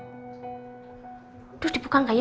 aduh dibuka gak ya